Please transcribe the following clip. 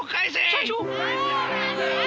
社長！